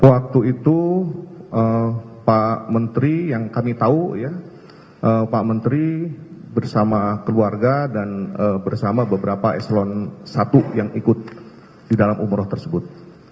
waktu itu pak menteri yang kami tahu ya pak menteri bersama keluarga dan bersama beberapa eselon i yang ikut di dalam umroh tersebut